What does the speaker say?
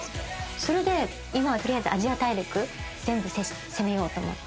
それで今は取りあえずアジア大陸全部攻めようと思って。